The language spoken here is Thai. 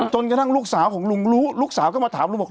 จนกระทั่งลูกสาวของลุงรู้ลูกสาวก็มาถามลุงบอก